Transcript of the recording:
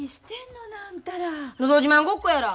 のど自慢ごっこやら。